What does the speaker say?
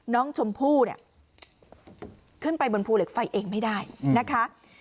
น้องชมพู่เนี่ยขึ้นไปบนภูเหล็กไฟเองไม่ได้นะคะ